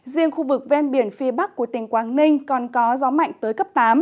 riêng khu vực ven biển phía bắc của tỉnh quảng ninh còn có gió mạnh tới cấp tám